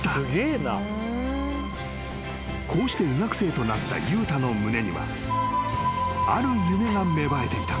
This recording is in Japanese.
［こうして医学生となった悠太の胸にはある夢が芽生えていた］